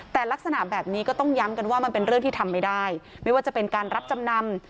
แต่ลักษณะแบบนี้ก็ต้องย้ำกันว่ามันเป็นเรื่องที่ทำไม่ได้ไม่ว่าจะเป็นการรับจำนำ